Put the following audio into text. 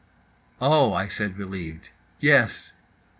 _" "Oh," I said, relieved, "yes."